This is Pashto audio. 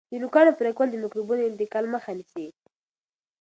د نوکانو پرې کول د میکروبونو د انتقال مخه نیسي.